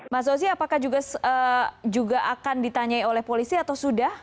mbak ozy apakah juga juga akan ditanyai oleh polisi atau sudah